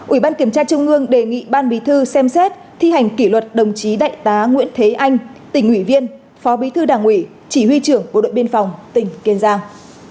ủy ban kiểm tra trung ương đề nghị ban bí thư xem xét thi hành kỷ luật đồng chí đại tá nguyễn thế anh tỉnh ủy viên phó bí thư đảng ủy chỉ huy trưởng bộ đội biên phòng tỉnh kiên giang